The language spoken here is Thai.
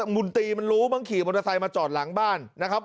มุนตีมันรู้มั้งขี่มอเตอร์ไซค์มาจอดหลังบ้านนะครับ